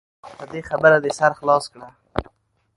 په دې خبره دې سر خلاص کړه .